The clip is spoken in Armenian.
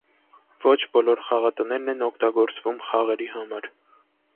Ոչ բոլոր խաղատներն են օգտագործվում խաղերի համար։